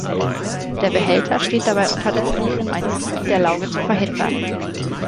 Der Behälter steht dabei unter Druck, um ein Sieden der Lauge zu verhindern.